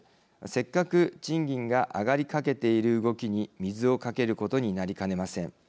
せっかく賃金が上がりかけている動きに水をかけることになりかねません。